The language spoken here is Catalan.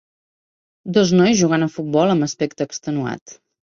dos nois jugant a futbol amb aspecte extenuat